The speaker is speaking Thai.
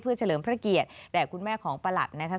เพื่อเฉลิมพระเกียรติแดดคุณแม่ของประหลัดนะคะ